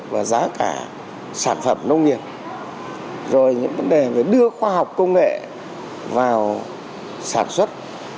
và giá cả sản phẩm nông nghiệp rồi những vấn đề về đưa khoa học công nghệ vào sản xuất